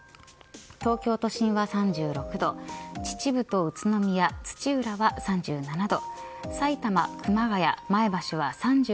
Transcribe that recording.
東京都心は３６度秩父と宇都宮、土浦は３７度